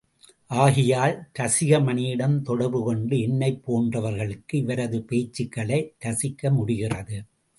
ஆகையால் ரசிகமணியிடம் தொடர்பு கொண்ட என்னைப் போன்றவர்களுக்கு இவரது பேச்சுக்களை ரசிக்க முடிகிறது.